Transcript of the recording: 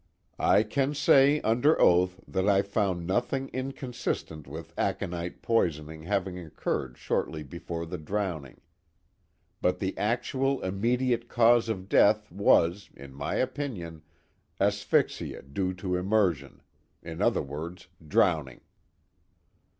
I can say under oath that I found nothing inconsistent with aconite poisoning having occurred shortly before the drowning. But the actual immediate cause of death was, in my opinion, asphyxia due to immersion, in other words drowning."